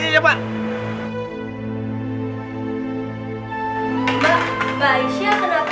baik siapkan saya